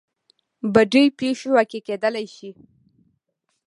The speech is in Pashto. بدې پېښې واقع کېدلی شي.